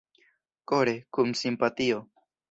Kore, kun simpatio!